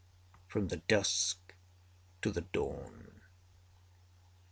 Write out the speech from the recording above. From the Dusk to the Dawn.